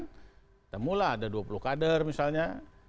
kita mulai ada dua puluh kader misalnya